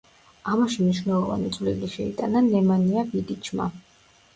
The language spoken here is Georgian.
ამაში მნიშვნელოვანი წვლილი შეიტანა ნემანია ვიდიჩმა.